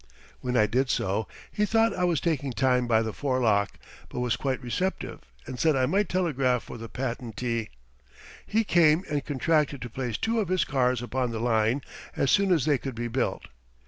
When I did so, he thought I was taking time by the forelock, but was quite receptive and said I might telegraph for the patentee. He came and contracted to place two of his cars upon the line as soon as they could be built.